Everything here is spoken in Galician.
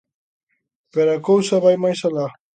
Pero a cousa vai máis alá.